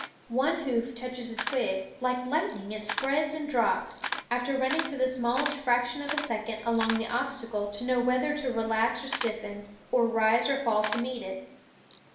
One hoof touches a twig; like lightning it spreads and drops, after running for the smallest fraction of a second along the obstacle to know whether to relax or stiffen, or rise or fall to meet it.